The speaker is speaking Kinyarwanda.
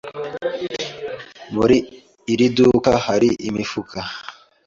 Muri iri duka hari imifuka?